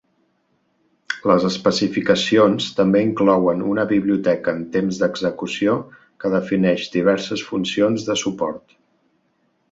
Les especificacions també inclouen una biblioteca en temps d'execució que defineix diverses funcions de suport.